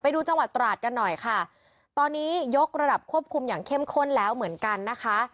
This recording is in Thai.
ดูจังหวัดตราดกันหน่อยค่ะตอนนี้ยกระดับควบคุมอย่างเข้มข้นแล้วเหมือนกันนะคะ